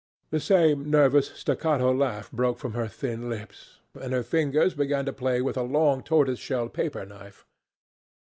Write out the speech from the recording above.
The same nervous staccato laugh broke from her thin lips, and her fingers began to play with a long tortoise shell paper knife.